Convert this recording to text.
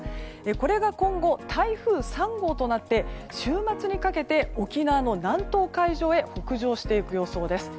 これが今後、台風３号となって週末にかけて沖縄の南東海上へ北上していく予想です。